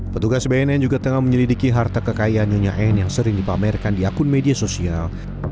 petugas bnn juga tengah menyelidiki harta kekayaan nyonya anne yang sering dipamerkan di akun media sosial